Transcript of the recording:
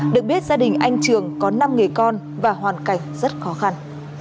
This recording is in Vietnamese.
được biết gia đình anh trường có năm người con và hoàn cảnh rất khó khăn